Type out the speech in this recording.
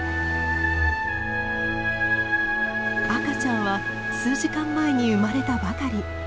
赤ちゃんは数時間前に生まれたばかり。